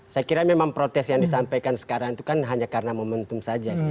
saya kira memang protes yang disampaikan sekarang itu kan hanya karena momentum saja